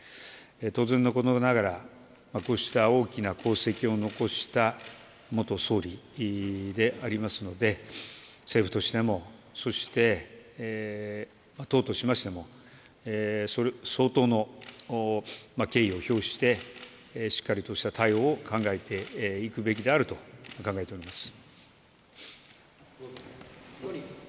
当然のことながら、こうした大きな功績を残した元総理でありますので、政府としてもそして、党としましても、相当の敬意を表して、しっかりとした対応を考えていくべきであると考えております。